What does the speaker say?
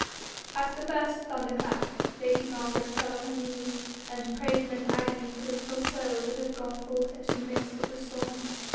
At the first thunderclap lady Margaret fell on her knees and prayed in an agony for the little soul that had gone forth into the midst of the storm.